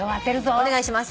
お願いします。